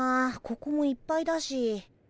ここもいっぱいだし。